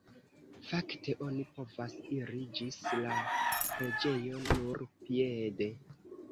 Fakte oni povas iri ĝis la preĝejo nur piede.